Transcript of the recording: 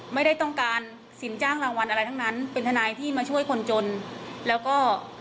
ไม่ได้ต้องการสินจ้างรางวัลอะไรทั้งนั้นเป็นทนายที่มาช่วยคนจนแล้วก็